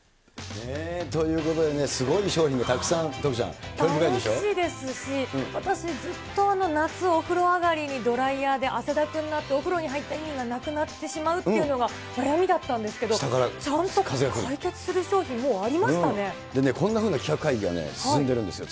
ということでね、すごい商品がたくさん、私、ずっと夏、お風呂上りにドライヤーで汗だくになって、お風呂に入った意味がなくなってしまうっていうのが悩みだったんですけど、解決する商品、もうあこんなふうな企画会議が進んでいるんですよ。